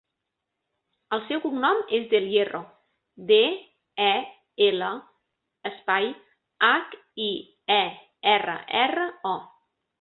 El seu cognom és Del Hierro: de, e, ela, espai, hac, i, e, erra, erra, o.